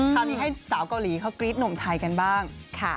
คราวนี้ให้สาวเกาหลีเขากรี๊ดหนุ่มไทยกันบ้าง